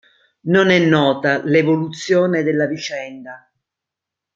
Non è nota l'evoluzione della vicenda.